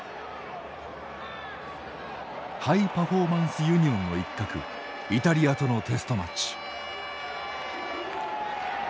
ハイパフォーマンスユニオンの一角イタリアとのテストマッチ。